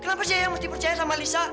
kenapa sih yang mesti percaya sama lisa